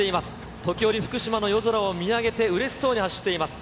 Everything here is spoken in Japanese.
時折、福島の夜空を見上げて、うれしそうに走っています。